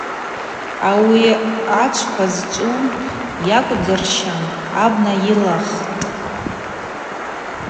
Ауи ачвква зчӏву йакӏвдзырщан абна йылаххтӏ.